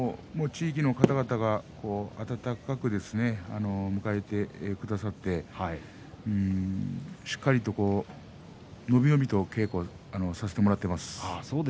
地域の方々が温かく迎えてくださってしっかりと伸び伸びと稽古させてもらっています。